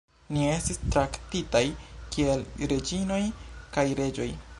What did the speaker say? Ni estis traktitaj kiel reĝinoj kaj reĝoj